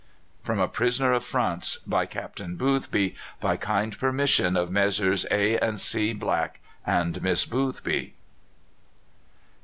_ From a "Prisoner of France," by Captain Boothby. By kind permission of Messrs. A. and C. Black and Miss Boothby.